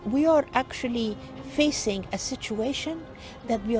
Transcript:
kita sebenarnya mengalami situasi yang sangat tidak diperlukan